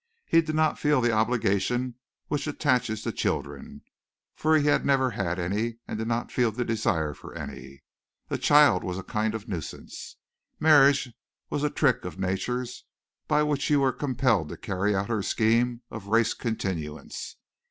He did not feel the obligation which attaches to children, for he had never had any and did not feel the desire for any. A child was a kind of a nuisance. Marriage was a trick of Nature's by which you were compelled to carry out her scheme of race continuance.